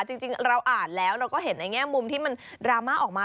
จริงเราอ่านแล้วเราก็เห็นในแง่มุมที่มันดราม่าออกมา